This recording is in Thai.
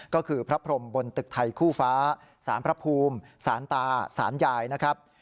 ก็คือพระพรมบนตึกไทยคู่ฟ้าสารพระภูมิสารตาสารยายนะครับ